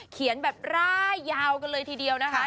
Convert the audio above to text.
เขียนแบบร่ายยาวกันเลยทีเดียวนะคะ